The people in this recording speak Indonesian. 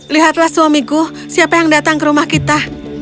lihatlah suamiku siapa yang datang ke rumah kita